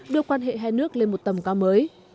đưa quan hệ hai nước lên một tầm cao mới